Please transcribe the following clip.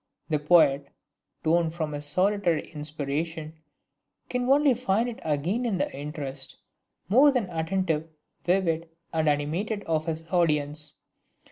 The poet, torn from his solitary inspiration, can only find it again in the interest, more than attentive, vivid and animated of his audience.